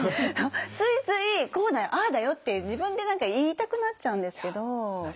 ついついこうだよああだよって自分で何か言いたくなっちゃうんですけど。